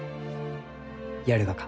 やるがか？